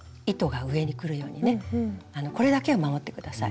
これだけは守って下さい。